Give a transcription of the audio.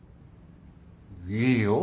いいよ。